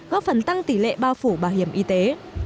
góp phần tăng tỷ lệ bao phủ bảo hiểm y tế